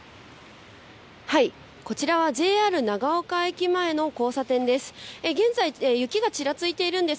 こちらはＪＲ長岡駅前の交差点です。